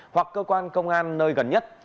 hoặc cơ quan công an nơi gần nhất